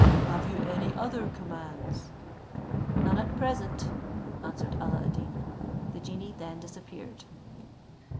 Have you any other commands?" "None at present," answered Alla ad Deen; the genie then disappeared.